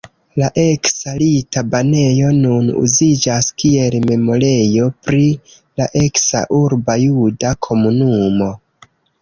La eksa rita banejo nun uziĝas kiel memorejo pri la eksa urba juda komunumo.